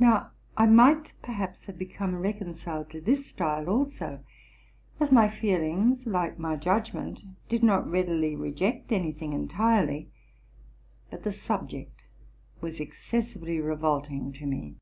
Now, I might perhaps have become reconciled to this style also, as my feelings, like my judgment, did not readily reject any thing entirely ; but the subject was excessively revolting tome.